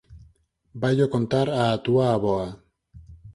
Vaillo contar á túa avoa.